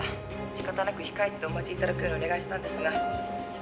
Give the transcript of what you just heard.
仕方なく控室でお待ちいただくようにお願いしたんですが」